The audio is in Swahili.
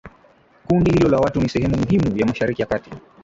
kundi hilo la watu ni sehemu muhimu ya mashariki ya kati